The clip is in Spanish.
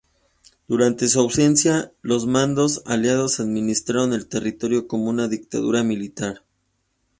Durante su ausencia, los mandos aliados administraron el territorio como una dictadura militar.